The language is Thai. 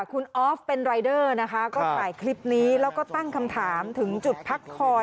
คุณออฟเป็นรายเดอร์นะคะก็ถ่ายคลิปนี้แล้วก็ตั้งคำถามถึงจุดพักคอย